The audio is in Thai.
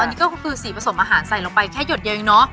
อันนี้ก็คือสีผสมอาหารใส่ลงไปแค่หยดเยอะเนอะ